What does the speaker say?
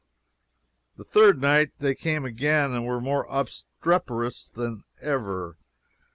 The third night they came again and were more obstreperous than ever.